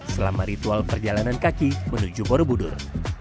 selama ritual perjalanan kaki menuju borobudur